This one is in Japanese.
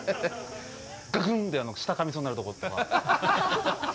ガクンッて舌かみそうになるとことか。